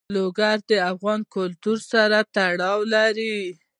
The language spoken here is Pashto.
لوگر د افغان کلتور سره تړاو لري.